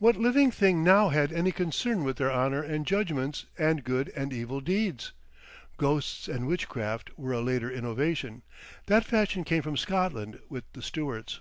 What living thing now had any concern with their honour and judgments and good and evil deeds? Ghosts and witchcraft were a later innovation—that fashion came from Scotland with the Stuarts.